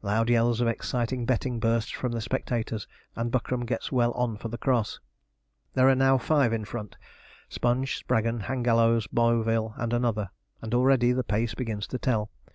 Loud yells of exciting betting burst from the spectators, and Buckram gets well on for the cross. There are now five in front Sponge, Spraggon, Hangallows, Boville, and another; and already the pace begins to tell.